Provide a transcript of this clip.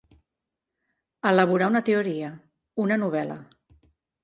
Elaborar una teoria, una novel·la.